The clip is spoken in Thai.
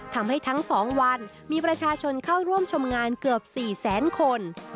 ทั้ง๒วันมีประชาชนเข้าร่วมชมงานเกือบ๔แสนคน